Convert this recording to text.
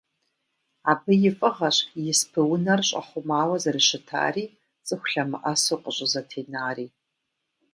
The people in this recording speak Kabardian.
Абы и фIыгъэщ испы-унэр щIэхъумауэ зэрыщытари, цIыху лъэмыIэсу къыщIызэтенари.